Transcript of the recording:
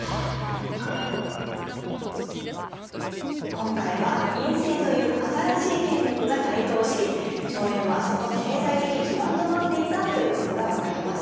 今回は院政という新しい権力が台頭し荘園はその経済的基盤となっていたということが分かりました。